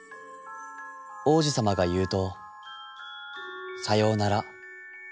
王子さまが言うと『さようなら』